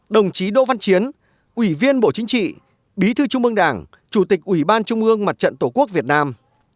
đồng chí đỗ văn chiến ủy viên bộ chính trị bí thư trung ương đảng chủ tịch ủy ban trung ương mặt trận tổ quốc việt nam